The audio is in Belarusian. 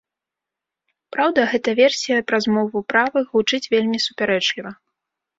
Праўда, гэта версія пра змову правых гучыць вельмі супярэчліва.